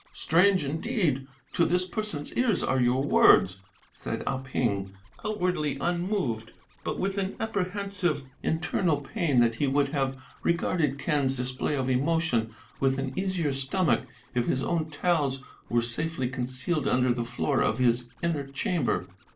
"'Strange indeed to this person's ears are your words,' said Ah Ping, outwardly unmoved, but with an apprehensive internal pain that he would have regarded Quen's display of emotion with an easier stomach if his own taels were safely concealed under the floor of his inner chamber.